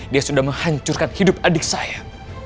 dia sudah menghancurkan hidup adik saya